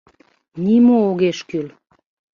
Нимо огеш кӱл!